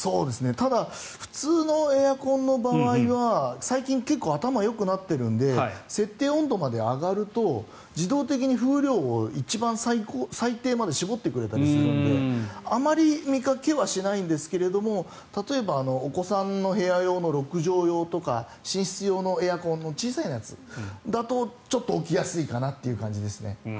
ただ普通のエアコンの場合は最近、結構頭よくなっているので設定温度まで上がると自動的に風量を一番最低まで絞ってくれたりするのであまり見かけはしないんですが例えばお子さんの部屋用の６畳用とか寝室用のエアコンの小さいやつだとちょっと起きやすいかなという感じですね。